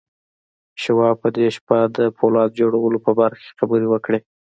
شواب په دې شپه د پولاد جوړولو په برخه کې خبرې وکړې.